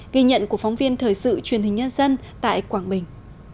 ghi nhận của phóng viên thời sự truyền hình nhân dân tại quảng bình